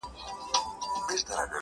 مخ به در واړوم خو نه پوهېږم؛